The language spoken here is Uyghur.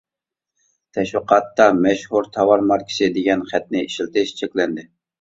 تەشۋىقاتتا «مەشھۇر تاۋار ماركىسى» دېگەن خەتنى ئىشلىتىش چەكلەندى.